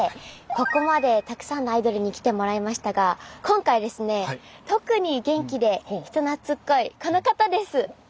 ここまでたくさんのアイドルに来てもらいましたが今回はですね特に元気で人懐っこいこの方です！